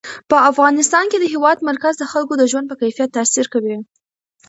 په افغانستان کې د هېواد مرکز د خلکو د ژوند په کیفیت تاثیر کوي.